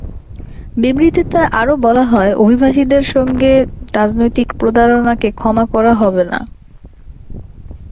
বিবৃতিতে আরও বলা হয়, অভিবাসীদের সঙ্গে রাজনৈতিক প্রতারণাকে ক্ষমা করা হবে না।